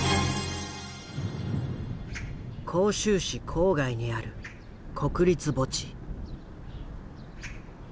光州市郊外にある国立墓地。